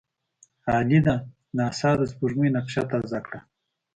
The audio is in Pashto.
عالي ده! ناسا د سپوږمۍ نقشه تازه کړه.